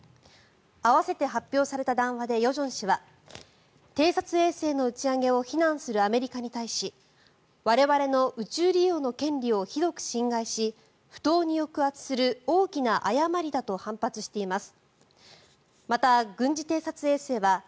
合わせて発表された談話で与正氏は偵察衛星の打ち上げを非難するアメリカに対し我々の宇宙利用の権利をひどく侵害し不当に抑圧する大きな誤りだと反発しています。